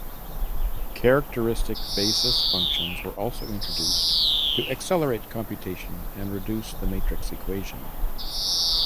Characteristic basis functions were also introduced to accelerate computation and reduce the matrix equation.